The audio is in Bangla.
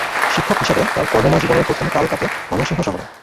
শিক্ষক হিসাবে তার কর্মময় জীবনের প্রথম কাল কাটে ময়মনসিংহ শহরে।